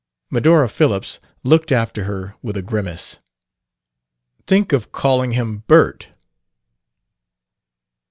Medora Phillips looked after her with a grimace. "Think of calling him 'Bert'!"